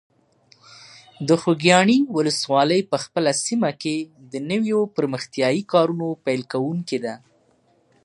د خوږیاڼي ولسوالۍ په خپله سیمه کې د نویو پرمختیایي کارونو پیل کوونکی ده.